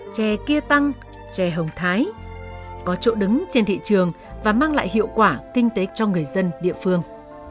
chè kia tăng chè hồng thái có chỗ đứng trên thị trường và mang lại hiệu quả kinh tế cho người dân địa phương